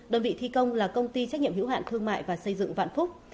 đơn vị thi công là công ty trách nhiệm hữu hạn thương mại và xây dựng vạn phúc